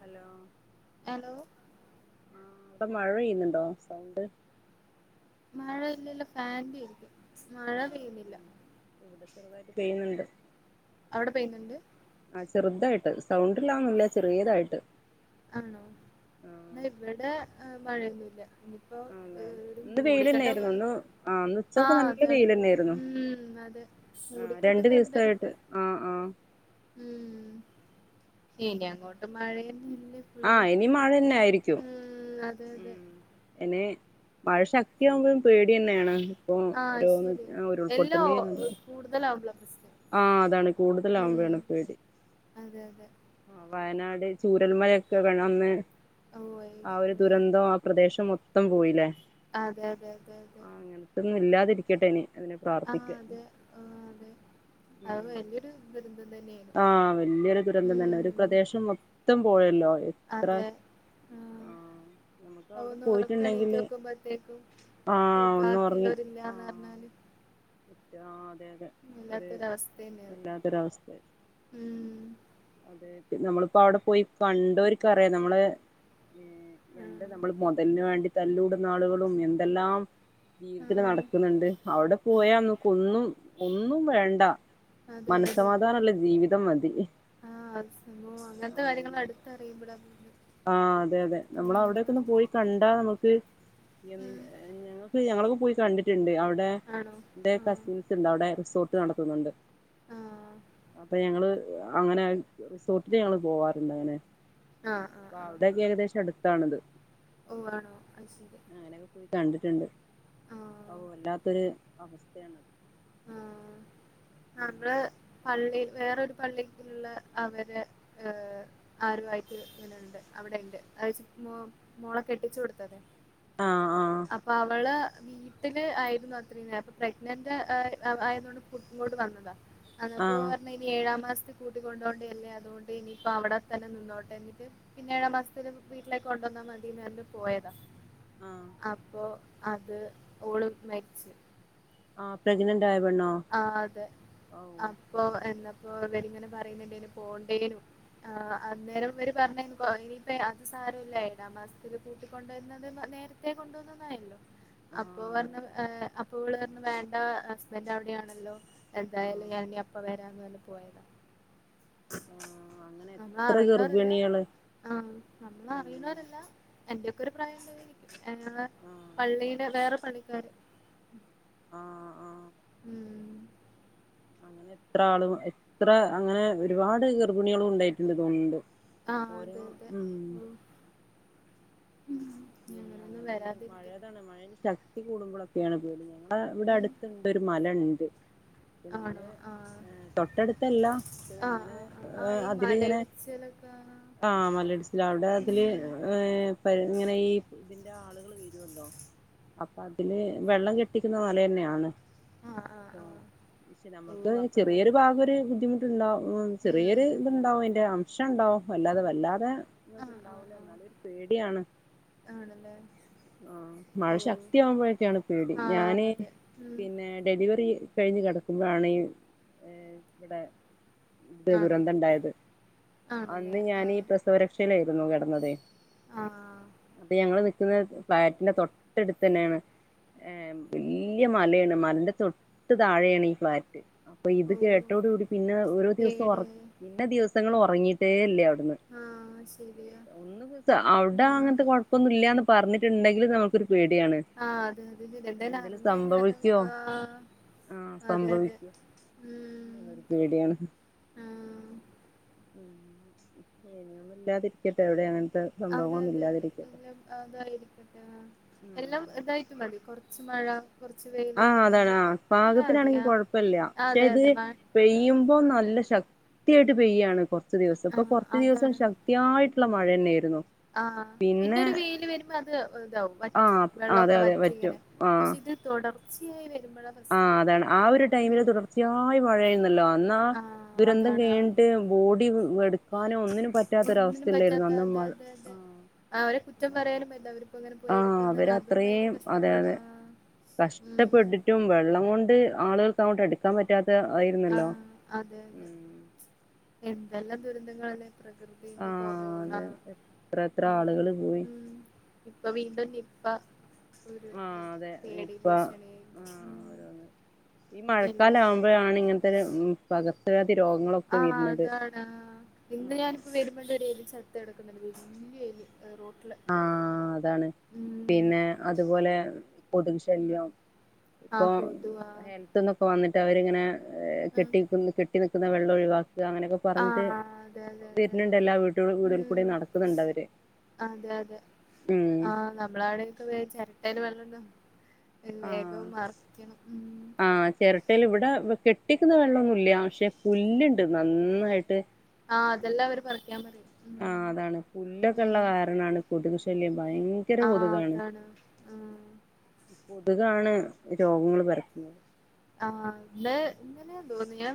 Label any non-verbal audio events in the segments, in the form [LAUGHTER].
Hello hello ആ അവിടെ മഴ പെയ്യുന്നുണ്ടോ സൗണ്ട് മഴ ഇല്ലില്ല ഫാന്റെ ആരിക്കും ആഹ് ഉം ഇവിടെ ചെറുതായിട്ട് പെയ്യുന്നുണ്ട് അവിടെ പെയ്യുന്നുണ്ട് ആ ചെറുതായിട്ട് സൗണ്ടില്ലാന്നില്ല ചെറിയതായിട്ട് ആണോ ആ എന്നാ ഇവിടെ ആ മഴയൊന്നുല്ല ആ ഇല്ലേ ഇന്ന് വെയിൽ തന്നെയായിരുന്നു പോലെ ഇന്ന് ആ ആ ഉച്ചയൊക്കെ നല്ല അതാണ് വെയിൽ തന്നെയായിരുന്നു ഉം അതെ ആ രണ്ടു മൂടിക്കെട്ടുന്നുണ്ട് ദിവസായിട്ട് ആ ആ ഉം ഇനി അങ്ങോട്ട് മഴയൊന്നുമി ആഹ് ഇനി മഴ തന്നെ ആയിരിക്കും അതേ അതേ ഉം ഇനി മഴ ശക്തിയാവുമ്പഴും പേടിതന്നെയാണ് ഇപ്പൊ ആ ഓരോന്ന് ശരിയാ എല്ലാം ഉരുൾപൊട്ടല് ഓ- കൂടുതലാവുമ്പളാ പ്രശ്നം ആഹ് അതാണ് കൂടുതല് ഉം ആകുമ്പഴാണ് പേടി അതെ അതെ വയനാട് ചൂരൽമലയൊക്കെ കാരണം അന്ന് ഓ ആ ഒരു ദുരന്തം ആ പ്രദേശം മൊ ത്തം പോയില്ലേ അതെ അതെ അതെ അതെ ആ അങ്ങനത്തൊന്നും ഇല്ലാതിരി കെട്ടണി ആഹ് അതെ ഏഹ് അതെ അത് വല്ല്യൊരു ആഹ് വല്ല്യൊരു ദുരന്തം തന്നെ ഒരു ഉം പ്രദേശം മൊത്തം പോയല്ലോ എത്ര അതെ ആ ആഹ് നമുക്ക് അത് അവിടെ ഒന്ന് ഒറക്കം എണീറ്റ് പോയിട്ടുണ്ടെങ്കില് നോക്കുമ്പോത്തേക്കും ആ ഒന്ന് ഉറങ്ങി ബാക്കിയുള്ളോര് ആ ഇല്ലാന്നറിഞ്ഞാല് [UNINTELLIGIBLE] ഒരു വല്ലാത്തൊരവസ്ഥ ന്നെ അത് വല്ലാത്തൊരവസ്ഥ ഉം അതെ നമ്മളിപ്പോ അവിടെ പോയി കണ്ടോരിക്ക്‌ അറിയാം നമ്മളെ ഏഹ് ആ. എന്താ നമ്മൾ മുതലിന് വേണ്ടി തല്ലൂടുന്നാളുകളും എന്തെല്ലാം ആ. ജീവിതത്തില് നടക്കുന്നുണ്ട് അവിടെ അതെ പോയാനൊക്കും ഒന്നും ഒന്നും വേണ്ട മന സമാധാനിള്ള ജീവി വിതം മതി ആഹ് അത് സംഭവം അങ്ങനത്തെ കാര്യങ്ങൾ അടുത്തറിയുമ്പോളാ ആഹ് അതെ അതെ നമ്മള് ഉം. എന്ന് ഞങ്ങൾക്ക് ഞങ്ങളൊക്കെ പോയി കണ്ടിട്ടുണ്ട് അവി ടെ ആണോ ന്റെ ആ കസിൻസ് ഇണ്ട് അവിടെ റിസോർ ട്ട് നടത്തുന്നുണ്ട് ആ അപ്പൊ ഞങ്ങള് അങ്ങനെ റിസോർട്ടിൽ ഞങ്ങൾ പോവാറുണ്ട് ങ്ങനെ ആഹ് അഹ് അപ്പൊ അവിടൊക്കെ ഏകദേശം അടുത്താണത് ഓ ആണോ അത് ശരി ട്ട്ണ്ട് ആ ഓ വല്ലാത്തൊരു അവസ്ഥയാണത് ആ നമ്മള് ഉം പള്ളീല് വേറൊരു പള്ളിക്ക്‌ള്ള അവര് ഏഹ് ആരുമായിട്ട് ഇങ്ങന്ണ്ട് അവിടെ ഇണ്ട് [UNINTELLIGIBLE] മോള കെട്ടിച്ചു കൊടുത്തതെ ആഹ് ആഹ് അപ്പൊ അവള് വീട്ടില് ആയിരുന്നു അത്രേം നേരം അപ്പൊ പ്രഗ്നന്റ് എഹ് ആയതുകൊണ്ട് കു ഇങ്ങോട്ട് വന്നതാ അതപ്പോ ആഹ് പറഞ്ഞ് ഇനി ഏഴാം മാസ് കൂട്ടിക്കൊണ്ടോണ്ടല്ലേ അതുകൊണ്ട് ഇനിയിപ്പോ അവിടെ തന്നെ നിന്നോട്ടെ എന്നിട്ട് പിന്നെ ഏഴാം മാസത്തില് വീട്ടിലേക്ക് കൊണ്ടുവന്നാ മതിന്ന് റഞ്ഞിട്ട് പോയതാ ആഹ് അപ്പൊ അത് ഓള് മരിച്ച് ആ പ്രഗ്നന്റ് ആയ പെണ്ണോ ആ അതെ ഔ അപ്പൊ എന്ത ഇപ്പൊ ഇവരിങ്ങനെ പറയുന്നുണ്ടേന് പോകണ്ടേനു അന്നേരം ഇവര് പറഞ്ഞ ഇനിപ്പോ അത് സാരമില്ല ഏഴാം മാസത്തില് കൂട്ടികൊണ്ടുവരുന്നത് നേരത്തെ കൊണ്ടുവന്നന്നായല്ലോ അപ്പൊ ആഹ് അതെ പറഞ്ഞു അതെ അപ് ഓള് പറഞ്ഞ് വേണ്ട ഹസ്ബൻഡടെ രി ആണല്ലോ എന്തായാലും ആഹ് ഞാനിനി അപ്പം വരാ രാന്നു പറഞ്ഞ് പോയതാ ആഹ് അങ്ങനെ നമ്മള് എത്ര അറിയുന്നവരല്ല ഗർഭിണികള് ആ നമ്മള് ഉം അറിയുന്നവരല്ല എന്റെയൊക്കെ ഒരു പ്രായം ഉണ്ടായിരിക്കും ഞങ്ങടെ ആഹ് പള്ളീന് വേറെ പണിക്കാര് ആ ആ ഉം അങ്ങനെ എത്ര ആളും എത്ര അങ്ങനെ ഒരുപാട് ഗർഭിണികളും ഉണ്ടായിട്ടുണ്ടന്ന്‌ തോന്നുന്നുണ്ട് ആ അതെ അതെ ഉം ഇനി അങ്ങനൊന്നും അങ്ങനെ ഇ വരാതിരിക്കട്ടെ മഴയേത്താണ് മഴ ശക്‌ ക്തി കൂടുമ്പോൾ ഒക്കെയാണ് പേടിക്കേണ്ടത് ആ ഇവിടെ ഉം അടുത്തുണ്ട് ഒരു മലണ്ട് ആണോ നമ്മള് ആഹ് തൊട്ടടുത്തല്ല ഷെ ആഹ് അങ്ങനെ ആഹ് ആഹ് ആഹ് ഈ അതിലിങ്ങനെ മലയിടിച്ചിലൊക്കെ ആ മലയിടിച്ചല് അവിടെ അതില് ഉം ഏ പ ഈ ഇതിന്റെ ആളുകൾ വരുമല്ലോ അപ്പൊ അതില് വെള്ളം കെട്ടിക്കുന്ന മല തന്നെയാണ് ആഹ് ആഹ് ആഹ് പക്ഷെ നമ്മക്ക് ഓഹ് അപ്പഴാണ് ചെറിയൊരു ഭാഗം ഒരു ബുദ്ധിമുട്ടുണ്ടാവും ഉം ചെറിയൊരു ഇത്ണ്ടാവും അതിന്റെ അംശം [UNINTELLIGIBLE] അല്ലാതെ വല്ലാതെ ആഹ് ആഹ് പ്രശ്നമുണ്ടാവൂല്ല ആഹ് എന്നാല് ഒരു പേടിയാണ് ആണല്ലേ ആ മഴ ഓഹ് ശക്തിയാവുമ്പോഴൊക്കെയാണ് പേടി ആഹ് ഞാന് അതെ ഉം പിന്നെ ഡെലിവറി കഴിഞ്ഞു കിടക്കുമ്പോഴാണ് ഈ എ ഇവിടെ ഇത് ആണ് ദുരന്തം ഉണ്ടായത് ആണല്ലേ അന്ന് ഞാന് ആഹ് പ്രസവരക്ഷയിലായി രുന്നു കെടന്നതെ ആഹ് അപ്പൊ ഞങ്ങള് നിക്കുന്ന ഫ്ലാറ്റിന്റെ തൊട്ടടുത്ത് തന്നെയാണ് ഏ വല്യയ മലയാണ് മലേന്റെ തൊട്ട് താഴെയാണ് ഈ ഫ്ളാറ്റ് അപ്പൊ ഇത് ഓഹ് കേട്ടോട്‌ കൂടി പിന്നെ ഓരോ ദിവസം പേടിയായി [UNINTELLIGIBLE] [UNINTELLIGIBLE] ഉറങ്ങിയിട്ടെ ഇല്ല്യാ ആഹാ ശരിയാ ഉം കുഴപ്പൊന്നൂല്ല എന്ന് പറഞ്ഞിട്ടുണ്ടെങ്കിൽ നമുക്കൊരു പേടിയാണ് ആഹാ അതെ അതെ എന്തേലും അറിഞ്ഞ കഴിഞ്ഞാലും ആഹാ ആഹ് അതെ അതെ സംഭവിക്കോ ഉം എന്നുള്ളൊരു പേടിയാണ് ആ ശരി ഒന്നുല്ലാതിരിക്കട്ടെ എവിടെയാണെലും [UNINTELLIGIBLE] അതെ സംഭവം അതായിരിക്കട്ടെ എല്ലാം ഇതായിരിക്കും മതി കൊറച്ച് [UNINTELLIGIBLE] ആ അതാണ് ആ മതി പാകത്തിനാണെങ്കി ആ ആ, കൊഴപ്പല്ല്യ പക്ഷെ അതെ ഇത് അതെ മ ഉം പെയ്യുമ്പോ നല്ല ശക് ത്തിയായിട്ട് പെയ്യുവാ ഇപ്പൊ കൊറച്ചു ദിവസം ആ ഇപ്പൊകൊറച്ച് ദിവസം അതാണ് ശക്തിയായി നല്ല മഴന്നെയായിരുന്നു ആ പിന്നെ ഒരു വെയില് വരുമ്പോ അത് ഇതാവും വറ്റും ആഹ് അതെ വെള്ളൊക്കെ അതെ പറ്റും വറ്റിങ്ങനെ പക്ഷെ ഇത് തുടർ ച്ചയായി ആ അതാണ് ആ ഒരു ടൈമില് തുടർച്ചയായി മഴയായിര്ന്നല്ലോ അന്ന് ആ ദുരന്തം അതാണ് ആ കഴിഞ്ഞിട്ട് ബോഡിവേ ഒന്നിനും പറ്റാത്ത അതെ മഴ അതെ അതെ അവരെ കുറ്റം പറയാനും പറ്റില്ല അവര് ആ അവരത്രേം അതെ അതെ ഉം കഷ്ടപ്പെട്ടിട്ടും വെള്ളം കൊണ്ട് ആളുകൾ കൊണ്ട് അടുക്കാൻ പറ്റാ താ ആ യിരുന്നല്ലോ അതെ അതെ എന്തെല്ലാം ദുരന്തങ്ങളാല്ലേ? പ്രകൃതിന്റെ ആഹ് കൊറോണ അതെ എത്ര എത്ര ആ ആളുകള് പോയി ഉം ഇപ്പൊ വീണ്ടും നിപ്പ ആഹ് അതെ [INAUDIBLE] പേടി നിപ്പ ഭീഷണി ആഹ് ഉം ഓരോന്ന് എല്ലാം [UNINTELLIGIBLE] പകർച്ച വ്യാ ആ അതാണ് ആ ഇന്ന് ഞാനിപ്പോ വരുമ്പ [UNINTELLIGIBLE] [UNINTELLIGIBLE] വലിയ വല റോട്ട് [UNINTELLIGIBLE] ആ അതാണ് പിന്നെ അതുപോലെ കൊതുകൂ ശല്യം പ്പൊ ആഹ് കൊതുവാ ഹെൽത്ത്ന്നൊക്കെ വന്നി ട്ട വരിങ്ങനെ ആഹ് കെട്ടിക്ക് ന്ന കെട്ടി വെക്കുന്ന വെള്ളം ഒഴിവാ. ഇത് അങ്ങനെയൊക്കെ പറഞ്ഞിട്ട് ആഹ് അതെ അതെ അതെ വരുന്നുണ്ട് എല്ലാ വീട്ടുകളെ കൂടെ കൂടെ ഉം നടക്കുന്നുണ്ട് അവര്. അതെ അതെ ഉം ആഹ് നമ്മളവിടൊക്കെ ചിരട്ടയിലെ വെള്ളം. വേഗം ആഹ് മറിക്കണം. ആഹ് ചിരട്ടയിൽ ഇവിടെ കെട്ടിക്കുന്നു വെള്ളൊന്നുല്ല്യ പക്ഷെ. ഉം പുല്ലുണ്ട് നന്നായി ട്ട് ആഹ് അതെല്ലാം അവര് പറിക്കാൻ പറയും. ആഹ് ഉം അതാണ് പുല്ല് ഒക്കെയുള്ള ഉം കാരണയാണ്. കൊതുക് ശല്യം ഭയങ്കര ആഹ് കൊതുകാണ് അതാണ് ഉം. കൊതുക്കാണ് രോഗങ്ങള് പരത്തുന്നത്. ആഹ് ഇവിടെ ഇന്നലെയാണ് തോന്നിയെ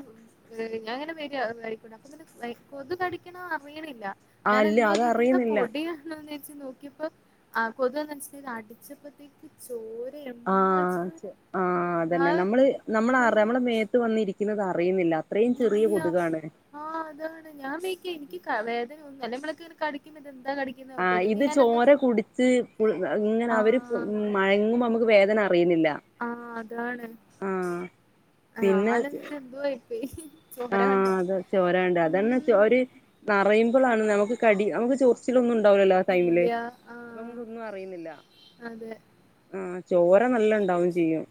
ഞാൻ ഇങ്ങനെ വരുക വഴിക്കൂടെ അപ്പൊ ഇങ്ങനെ കൊതു കടിക്കണേ അറിയണില്ല. ആഹ് ഞാൻ ഇല്ല എന്തോ ഇതെന്താ അതറിയുന്നില്ല പൊടിയാണോ. നോക്കിയപ്പോ കൊതുക്കാന്നുവെച്ചു അടിച്ചപ്പോഴത്തേക്ക് ചോര്. ആഹ് ആഹ് അതന്നെ ആഹ് നമ്മള്. നമ്മളാറെ നമ്മളെ മേത്ത് വന്നിരിക്കു നതറിയുന്നില്ല ഇല്ലിയ ആ അതാണ് ഞാൻ വേയിക്കാ എനിക്ക് വേദന ഒന്നും [UNINTELLIGIBLE] കടിക്കും ഇതെ ആ ഇത് ചോര കുടിച്ച് ഇങ്ങനെ അവര് ആഹ് മയങ്ങുമ്പോ നമ്മുക്ക് വേദന റിയുന്നില്ല ഇതാണ് അവനെന്തു [UNINTELLIGIBLE] ആ അത് ചോരകണ്ട് അതന്നെ ഉം ചോര് നറയും. പ്പളാണ് നമുക്ക് കടി നമുക്ക് ചൊറിച്ചോലൊന്നും ണ്ടാവുല്ലല്ലോ ആ ഇല്ല ടൈമില് അപ്പൊ ആഹ് നമ്മുക്കൊന്നും അറിയുന്നില്ല. അതെ ആ ചോര നല്ല ഉണ്ടാവും ചെയ്യും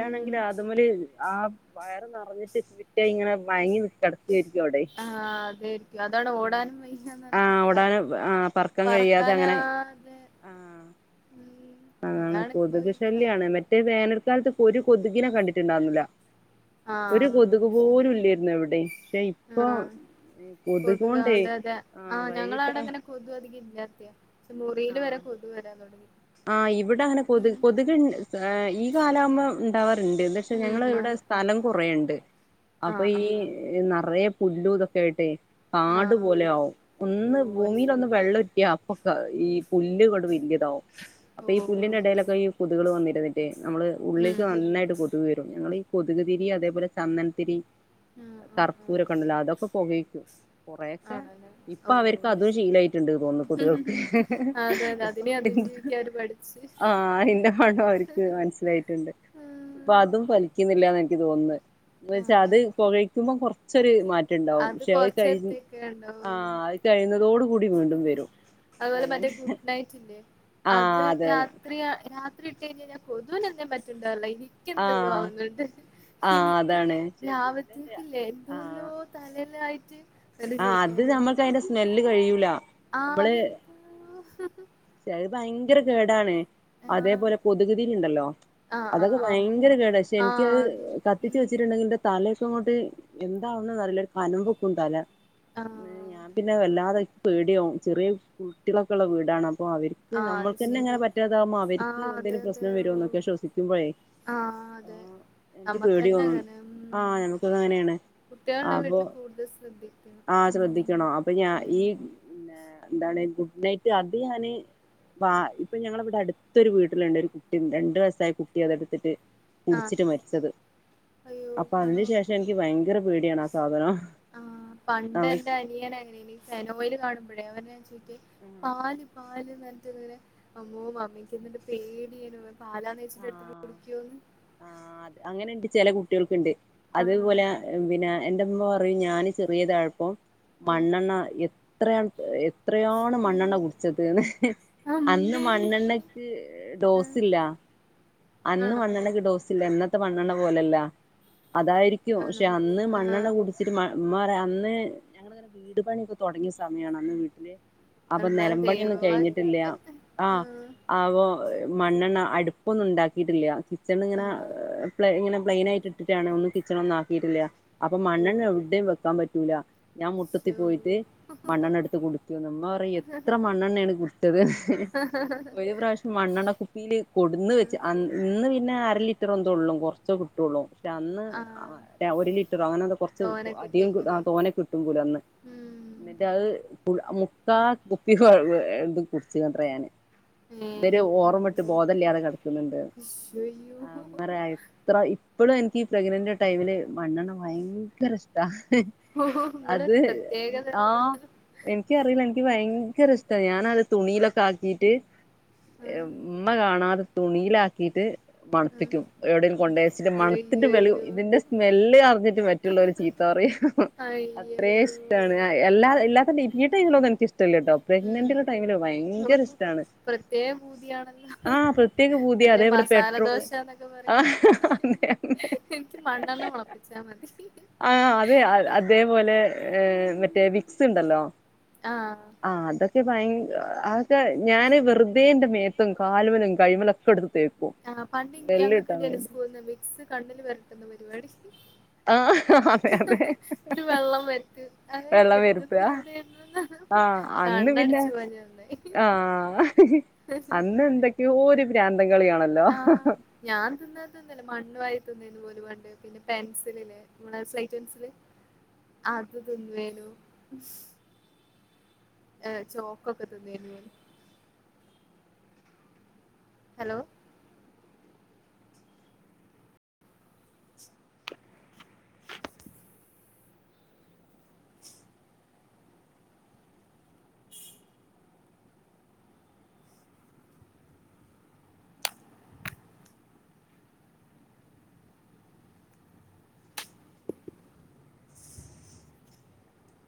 ഉം അത് മ്മല് ആ വയറ് നിറഞ്ഞിട്ട് ട്ടെ ങ്ങനെ മയങ്ങി നിക്കാണ്. ആ അതെരിക്കും അതാണ് ഓടാനും വയ്യന്നർഞ്ഞ് ആഹ് പ ഓടാന് ആഹ് പറക്കാൻ കഴിയാതെ അങ്ങനെ പറക്കാനാതെ ആഹ് ഉം അതാണ് അതാണിപ്പോ കൊതുക് ഈ കാ ശല്യാണ് മറ്റേ വേനൽക്കാലത്ത് ഒരു കൊതുക് ഇങ്ങനെ കണ്ടിട്ടുണ്ടാർന്നില്ല ഒരു ആഹ് കൊതുക് ശരി പോലും ഇല്ല്യേരുന്നു എവിടെം പക്ഷെ ഇപ്പൊ ആഹ് കൊതുക് കൊണ്ടേ അതെ അതെ ആ ആഹ് വൈകിട്ടോ ഞങ്ങളവിടെ അങ്ങനെ കൊതു അധികം ഇല്ലാത്തയാ പക്ഷെ മുറിയിൽ വരെ കൊതു വരാൻ തൊടങ്ങി ആ ഇവിടെങ്ങനെ കൊതുക് കൊതുക്ണ്ട് ഈ കാലാവുമ്പം ഉണ്ടാവ [UNINTELLIGIBLE] ഇണ്ട് പക്ഷെ ഞങ്ങള ഉം ഇവിടെ അതെ സ്ഥലം കൊറേണ്ട് അപ്പൊ ആഹ് ഈ ആഹ് നറയെ പുല്ലുതൊക്കെ ആയിട്ടെ ആഹ് കാടു ആഹ് പോലെ ആവും ഒന്ന് ഓഹ് അത് ഭൂമിലൊന്ന് ശരി വെള്ളറ്റിയ അപ്പൊ ക ഈ പുല്ലുകട് വല്ല്യതാ അപ്പൊ ഈ ഓഹ് പുല്ലിന്റെ എടയിലൊക്കെ ഈ കൊതുകൾ വന്നി [UNINTELLIGIBLE] നമ്മള് ഉള്ളിക്ക് ഉം നന്നായിട്ട് കൊതുക് വരും ഞങ്ങളീ കൊതുക് തിരി അതേപോലെ ചന്ദൻതിരി ആഹ് ആഹ് കർപ്പൂരൊക്കെ ആഹ് ഉണ്ടല്ലോ അതൊക്കെ പുകയ്ക്കും കൊറയൊക്കെ ആണല്ലേ ഇപ്പൊ ഓ അവർക്ക് അതും ശീലായിട്ടുണ്ട് തോന്ന കൊതുകൾക്ക് അതെ അതെ ഇപ്പൊ അതിനെ അതിന്റെ അതിജീവിക്കാൻ അവര് പഠിച്ച് ആ അയിന്റെ മണം ഒരിക്ക് മനസ്സിലായിട്ടുണ്ട് ഇപ്പൊ ആഹ് അതും ഫലിക്കുന്നില്ലാന്നാ എനിക്ക് തോന്നുന്നെ ന്ന് വെച്ച അത് ആഹ് പുകയ്ക്കുമ്പോ കൊറ ച്ചൊരു മാറ്റ ണ്ടാവും പക്ഷെ അത് കൊറച്ച് കയി നേരത്തേക്കെ ആ ഉണ്ടാവും അത് കയിന്നതോടുകൂ അതുപോലെ മറ്റേ ഗുഡ് നൈറ്റ് ഇല്ലേ അത് ആഹ് അതെ രാത്രിയാ രാത്രി ട്ടയിഞ്ഞേഞ്ഞ കൊതൂനൊന്നും പറ്റണ്ടാവുല്ല എനി എിക്കെന്തല്ലോ ആഹ് ആവുന്നുണ്ട് ആഹ് എനിക്ക് അതാണ് ലാവത്തേക്കില്ലേ എന്തോല്ലോ ആഹ് തലെലായിട്ട് ആഹ് അത് നമ്മക്ക് അയിന്റ സ്മെല്ല് കഴി യുല്ല ആഹ് നമ്മള് അതെന്തോ ചെലത് ഭയങ്കര കേടാ ടാണ് ആഹ് അതേപോലെ കൊതുകുതിരിണ്ടല്ലോ ആഹ് ആഹ് അതൊക്കെ ആഹ് ഭയങ്കര കേട പക്ഷെ ആഹ് എനിക്കത് അത് ഉം കത്തിച്ചു വെച്ചിട്ടുണ്ടെങ്കിൽ ന്റെ തലയൊക്ക അങ്ങോട്ട് എന്താവ്ണെന്നറിയില്ല കനംമ്പൊക്കും തല ആഹ് ഞാൻ പിന്നെ വല്ലാതെ പേടിയാവും ചെറിയ കുട്ടികളൊക്കെ ഉള്ള വീടാണ് അപ്പൊ അപ്പൊ അവരിക്ക് ആഹ് അത് നമ്മക്ക് തന്നെ ഇങ്ങനെ ശരിയാ പറ്റാതാവുമ്പോ അവരിക്ക് ആഹ് അതെ എന്തേലും അതെ പ്രശ്നം വരുമോ ഓഹ് എന്നൊക്കെ ശ്വസിക്കുമ്പോഴേ ആഹ് അതെ എനിക്ക് പേടി നമ്മക്കന്നെ തോന്നും അങ്ങനെ ഉം ആ ഞമ്മക്കും അത് അങ്ങനെയാണ് കുട്ടികളുള്ള അപ്പൊ വീട്ടില് കൂടുതൽ ശ്രദ്ധിക്കണം ആ ഉം ശ്രദ്ധിക്കണോ അപ്പൊ ഞാൻ ഉം ഈ എന്താണ് കു നൈറ്റ് അത് ഞാന് വാ ഇപ്പൊ ഞങ്ങള ഇവിടെ അടുത്തൊരു വീട്ടിലുണ്ട് ഒരു കുട്ടി രണ്ടു വയസായ കുട്ടി അത് എടുത്തിട്ട് ആഹ് കുടിച്ചിട്ട് മരിച്ചത് അയ്യോ അപ്പൊ അതിന് ആണോ ശേഷം എനിക്ക് ഭയങ്കര പേടിയാണ് ആ സാധനം ആഹ് പണ്ട് നമ്മ എന്റെ അനിയൻ അങ്ങനെനി ഫെനോയ ൽ കാണുമ്പോഴെ അവനത് ചോയ്ക്കും പാല് പാ പാല് നെൽത് വീണ് അമ്മോ മമ്മിക്ക്ന്ന്ട്ട് പേടിയേനു പാലാന്നേച്ചെട്ടെടുത്തു കുടിക്കു ക്കോന്ന് ആ അത് അങ്ങനെണ്ട് ചെല കുട്ടികൾക്ക്ണ്ട് ആഹ് അതുപോലെ പിന്നെ എന്റെമ്മ പറയും ഞാന് ചെറിയതാഴപ്പം ഉം മണ്ണെണ്ണ എ എത്രയാണ് [UNINTELLIGIBLE] എത്രയാണ് അയ്യോ മണ്ണെണ്ണ കുടിച്ചതന്ന് അന്ന് അമ്മേ മണ്ണെണ്ണക്ക് ആഹ് ഡോസില്ല അന്ന് ആണോ മണ്ണെണ്ണയ്ക്ക് ഡോസില്ലായിരു മണ്ണെണ്ണ പോലല്ല അതായിരിക്കും പക്ഷെ ആണോ അന്ന് ആഹ് മണ്ണെണ്ണ കുടിച്ചിട്ട് ഉമ്മാ മാ അന്ന് ഞങ്ങളങ്ങനെ വീട് പണിയൊക്കെ തുടങ്ങിയ സമയമാണ് അന്ന് വീട്ടില് അപ്പൊ എന്നാൽ നിലംമ്പണിയൊന്നും കഴിഞ്ഞിട്ടില്ല ദൈവവാക്ക്യണ്ട് ആ ആഹ് അ മണ്ണെണ്ണ അടുപ്പ് ഒന്നും ഉണ്ടാ ക്കിടില്ല പ്പെട്ടന്ന് ഇങ്ങനെ ആഹ് പ്ലേ ഇങ്ങ പ്ലെയിനയിട്ട് ഇട്ടിട്ടാണ് ഒന്നും കിച്ചൺ ഒന്നും ആകിയിട്ടില്ല അപ്പൊ മണ്ണെണ്ണ ഓഹ് എവിടെ വെക്കാൻ പറ്റൂല ഞാൻ മുട്ടത്തി ശോ പോയിട്ട് മണ്ണെണ്ണ എടുത്ത് കുടിക്കും ഉമ്മ പറയും എത്ര മണ്ണെണ്ണയാണ് കുടുച്ചത് ഒരു പ്രാവശ്യം മണ്ണെണ്ണ കുപ്പിൽ കൊടുന്ന് അന്ന ഇന്ന് പിന്നെ അര ലിറ്ററെന്തേ ഉള്ളു കുറച്ചേ കിട്ടുള്ളൂ അന്ന് ആഹ് അ ഒരു ലിറ്ററോ അങ്ങനെ എന്തോ കുറച്ച് തോനൊക്കെ അധികം കിട്ട് ഇട്ടേക്കുല്ലേ തോനെ കിട്ടും കൂല അന്ന് ഉം എന്നിട്ട് അത് [UNINTELLIGIBLE] കാ കുപ്പി കൊറേ ഇത് കുടിച്ച് ഞാന് ഏഹ് വര് ഓർമ്മിട്ട് ബോധല്ലാതെ കിട ണ്ട് അയ്യോ [UNINTELLIGIBLE] ഇത്ര ഈ ഇപ്പളും എനിക്ക് ഈ പ്രഗ്‌നൻ്റ് ടൈമില് മണ്ണെണ്ണ ഭയങ്കര ഇഷ്ടാ ഓഹ് ഇങ്ങള് അത് പ്രത്യേക തരം ആ ഇതാണ് എനിക്കറിയില്ല എനിക്ക് ഭയങ്കര ഇഷ് ഞാനത് തുണിയിലൊക്കെ ആക്കിട്ട് ആഹ് ഇമ്മ കാണാത തുണിയിലാക്കിയിട്ട് ആഹ് മണപ്പിക്കും എവിടെങ്കിലും കൊണ്ടേ വച്ചിട്ട് മണത്തിട്ട് വെളി അയ്യയ്യോ ഇതിന്റെ സ് [UNINTELLIGIBLE] ന്നിട്ട് മറ്റുള്ളവര് ചീത്ത പറയും അത്രേ അയ്യയ്യോ ഇഷ്ടാണ് എല്ലാ എല്ലാ [UNINTELLIGIBLE] ഈ ടൈം എനിക്ക് ഇഷ് ല്ലാട്ടോ ഉം പ്രഗ്നന്റ് ടൈമിലെ ഭയങ്കര ഓഹ് ഇഷ്ടാണ് പ്രത്യേക പൂതിയാണല്ലോ ആഹ് പ്ര മറ്റേ മസാല ദോശ എന്നൊക്കെ പറയുന്നത് ആഹ് അതെ എനിക്ക് മണ്ണെണ്ണ മണപ്പിച്ചാ മതി ആഹ് അതെ അതേപോലെ ഏ മറ്റേ ഉം വിക്സ് ഉണ്ടല്ലോ ആഹ് ഭയങ്ക അതൊക്കെ ഞാൻ വെറുതേന്റെ മേത്തും കാലുമേലും കയ്യിമേലൊക്കെ എടുത്ത് തേക്കും ആ പണ്ട് സ്മെല്ല് ഞങ്ങൾക് കിട്ടാൻ ഉണ്ടായിരുന്നു വേണ്ടി സ്കൂളിന്ന് വിക്സ് കണ്ണില് പെരട്ടുന്ന പരിപാടി ആ അതെ അതെ ഇതില് വെള്ളം വരട്ടും അത് വെള്ളം എന്ത് വെരുത്തുക പ്രാന്തായിരുന്നുന്നോ ആഹ് അന്ന് പിന്നെ കണ്ണടിച്ചു പോവാഞ്ഞത് നന്നായി ആഹ് അന്ന് എന്തൊക്കെയോ ഒരു പ്രാന്ത് ന്തം കളിയാണല്ലോ മണ്ണുവാരി തിന്നാരുന്നു ഒരുപാട് പിന്നെ പെൻസിലില് നമ്മുടെ സ്ലേറ്റ് പെൻസില് അത് തിന്നുവായിരുന്നു ഏഹ് ചോക്കൊക്കെ തിന്നുവായിരുന്നു ഹലോ